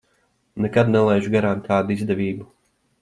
Nekad nelaižu garām tādu izdevību.